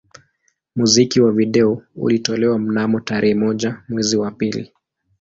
Muziki wa video ulitolewa mnamo tarehe moja mwezi wa pili